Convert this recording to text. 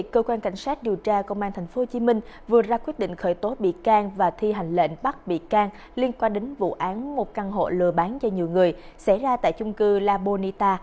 cơ quan cảnh sát điều tra công an tp hcm vừa ra quyết định khởi tố bị can và thi hành lệnh bắt bị can liên quan đến vụ án một căn hộ lừa bán cho nhiều người xảy ra tại chung cư labonita